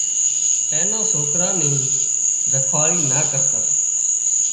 اين نا سوڪرا اين ني رکواۯي نا ڪرتا